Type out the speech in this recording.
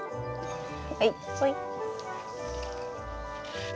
はい。